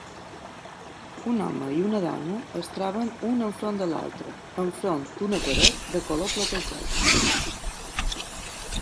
Un home i una dona es troben un enfront de l'altre enfront d'una paret de color platejat.